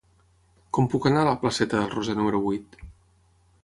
Com puc anar a la placeta del Roser número vuit?